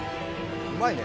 うまいね。